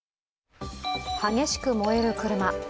激しく燃える車。